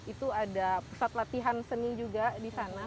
itu ada pusat latihan seni juga di sana